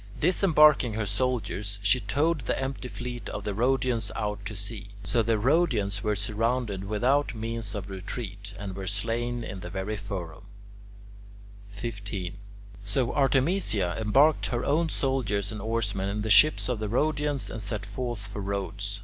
Disembarking her soldiers, she towed the empty fleet of the Rhodians out to sea. So the Rhodians were surrounded without means of retreat, and were slain in the very forum. 15. So Artemisia embarked her own soldiers and oarsmen in the ships of the Rhodians and set forth for Rhodes.